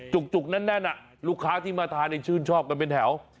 จุกแน่นลูกค้าที่มาทานชื่นชอบกันเป็นแถว